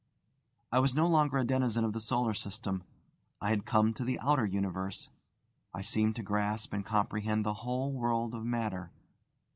I was no longer a denizen of the solar system: I had come to the outer Universe, I seemed to grasp and comprehend the whole world of matter.